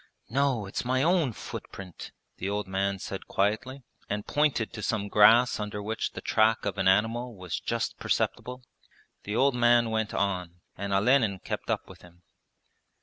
'No, it's my own footprint,' the old man said quietly, and pointed to some grass under which the track of an animal was just perceptible. The old man went on; and Olenin kept up with him.